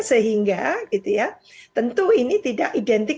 sehingga gitu ya tentu ini tidak identik